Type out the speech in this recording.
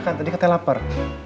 makan tadi kata lapar